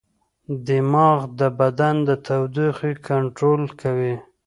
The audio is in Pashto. دماغ د بدن د تودوخې کنټرول کوي.